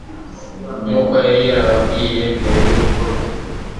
nk'uko yari yarababwiye mbere y'urupfu rwe.